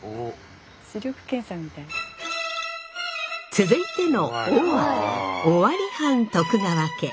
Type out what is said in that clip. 続いての「尾」は尾張藩徳川家。